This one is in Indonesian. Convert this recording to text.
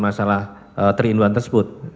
masalah tiga in satu tersebut